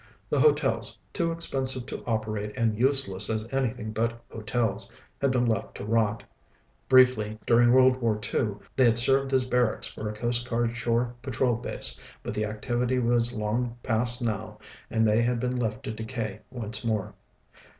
The hotels, too expensive to operate and useless as anything but hotels, had been left to rot. Briefly, during World War II, they had served as barracks for a Coast Guard shore patrol base, but that activity was long past now, and they had been left to decay once more.